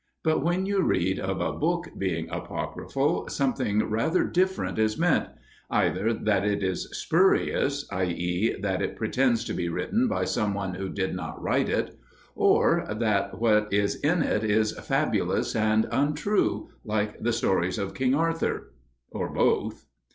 But when you read of a book being apocryphal, something rather different is meant: either that it is "spurious," i.e. that it pretends to be written by someone who did not write it; or that what is in it is fabulous and untrue, like the stories of King Arthur; or both.